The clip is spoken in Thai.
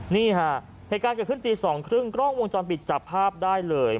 นี่ฮะในการเกลียดขึ้นทีสองครึ่งกล้องวงจรปิดจับภาพได้เลย